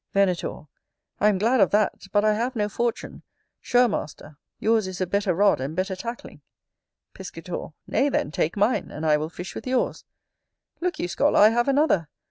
Venator. I am glad of that: but I have no fortune: sure, master, yours is a better rod and better tackling. Piscator. Nay, then, take mine; and I will fish with yours. Look you, scholar, I have another.